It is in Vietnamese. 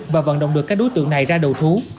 và vận động được các đối tượng này ra đầu thú